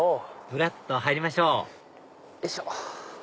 ぶらっと入りましょうよいしょ。